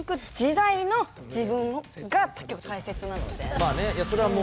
まあねいやそれはもう。